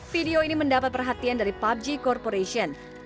video ini mendapat perhatian dari pubg corporation